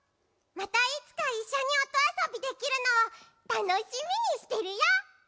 またいつかいっしょにおとあそびできるのをたのしみにしてるよ。